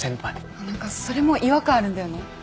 ああ何かそれも違和感あるんだよね。